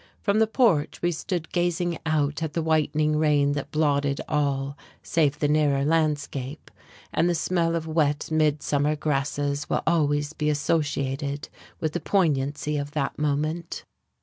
From the porch we stood gazing out at the whitening rain that blotted all save the nearer landscape, and the smell of wet, midsummer grasses will always be associated with the poignancy of that moment....